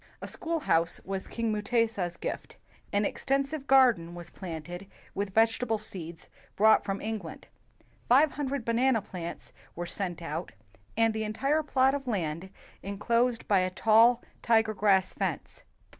A schoolhouse was king Mutesa 's gift. An extensive garden was planted with vegetable seeds brought from England. Five hundred banana plants 90 WHITE MEN AND BLACK MEN were set out, and the entire plot of land en closed by a tall tiger grass fence.